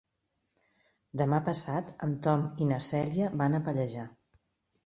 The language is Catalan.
Demà passat en Tom i na Cèlia van a Pallejà.